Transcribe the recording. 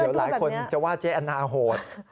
เดี๋ยวหลายคนจะว่าเจ๊แอนนาโหด